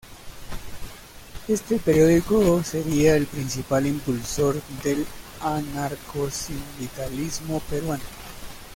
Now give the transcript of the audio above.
Este periódico sería el principal impulsor del anarcosindicalismo peruano.